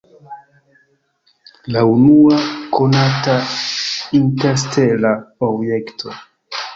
La unua konata interstela objekto!